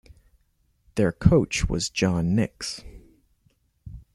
Their coach was John Nicks.